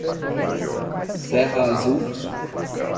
Serra Azul